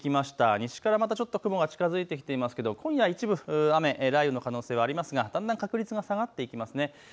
西からまたちょっと雲が近づいてきていますけれど一部、雨や雷雨の可能性、ありますがだんだん確率下がっていきますね。